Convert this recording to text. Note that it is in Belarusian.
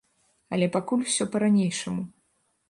Але пакуль усё па-ранейшаму.